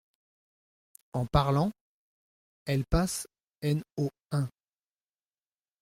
En parlant, elle passe n o un.